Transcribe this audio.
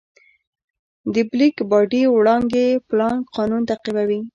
د بلیک باډي وړانګې پلانک قانون تعقیبوي.